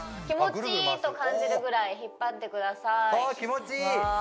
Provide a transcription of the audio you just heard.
気持ちいいと感じるぐらい引っ張ってください